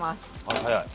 あら早い。